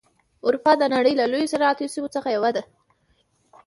اروپا د نړۍ له لویو صنعتي سیمو څخه یوه ده.